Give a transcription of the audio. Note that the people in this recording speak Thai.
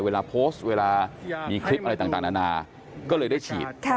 เวลาโพสต์เวลามีคลิปอะไรต่างนานาก็เลยได้ฉีด